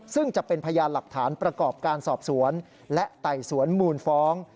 ซึ่งจะเป็นพยานหลักฐานประกอบการสอบสวนและไต่สวนมูลฟ้อง